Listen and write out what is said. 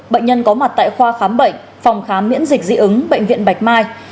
bệnh nhân có mặt tại khoa khám bệnh phòng khám miễn dịch dị ứng bệnh viện bạch mai